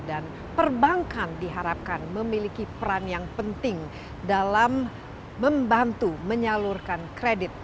dan perbankan diharapkan memiliki peran yang penting dalam membantu menyalurkan kredit